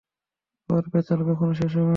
ওর পেঁচাল কখনও শেষ হবে না।